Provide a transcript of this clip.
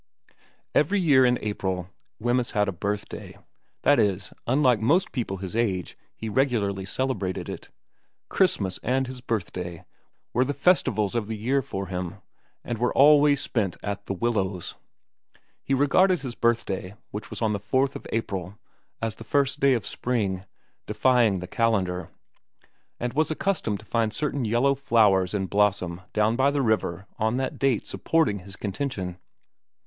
Every year in April Wemyss had a birthday ; that is, unlike most people of his age, he regularly celebrated it. Christmas and his birthday were the festivals of the year for Him, and were always spent at The Willows. He regarded his birthday, which was on the 4th of April, as the first day of spring, defying the calendar, and was accustomed to find certain yellow flowers in blossom down by the river on that date supporting his contention.